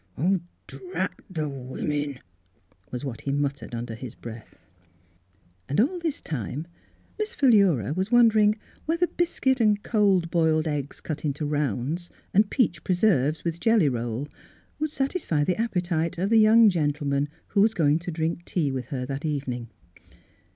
" Oh, drat the women !" was what he muttered under his breath. Miss Philura's IV ed ding Gown And all this time Miss Philura was wondering whether biscuit and cold boiled eggs cut into rounds and peach preserves with jellj roll would satisfy the appetite of the young gentleman who was going to drink tea with her that evening.